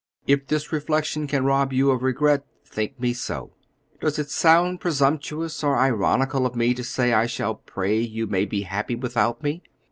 If this reflection can rob you of regret, think me so. Does it sound presumptuous or ironical for me to say I shall pray you may be happy without me?